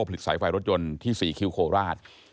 ผลิตสายไฟรถยนต์ที่๔คิวโคราช